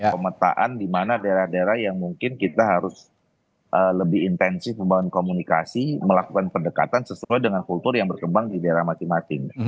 pemetaan di mana daerah daerah yang mungkin kita harus lebih intensif membangun komunikasi melakukan pendekatan sesuai dengan kultur yang berkembang di daerah masing masing